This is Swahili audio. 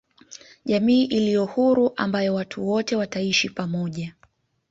jamii iliyo huru ambayo watu wote wataishi pamoja